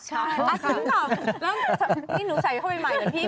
นี่หนูใส่เข้าไปใหม่เดี๋ยวพี่แบบ